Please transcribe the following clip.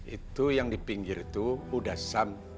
itu yang di pinggir itu udah sam